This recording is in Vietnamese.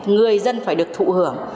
người dân phải được thụ hưởng